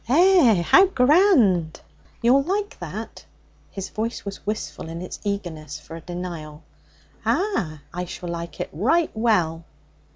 'Eh! how grand!' 'You'll like that?' His voice was wistful in its eagerness for a denial. 'Ah! I shall like it right well.'